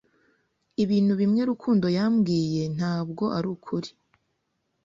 Ibintu bimwe Rukundo yambwiye ntabwo arukuri.